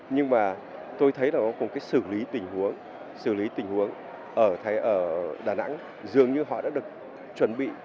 nhưng mà tôi thấy là cũng cái xử lý tình huống xử lý tình huống ở đà nẵng dường như họ đã được chuẩn bị